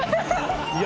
いや。